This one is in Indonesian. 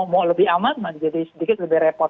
mau lebih aman jadi sedikit lebih repot